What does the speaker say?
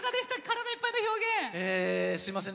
すいません。